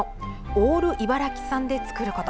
オール茨城産で作ること。